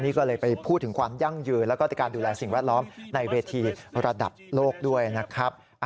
นี่ก็เลยไปพูดถึงความยั่งยืนแล้วก็ในการดูแลสิ่งแวดล้อมในเวทีระดับโลกด้วยนะครับ